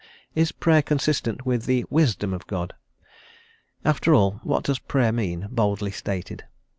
Is Prayer consistent with the wisdom of God? After all, what does Prayer mean, boldly stated?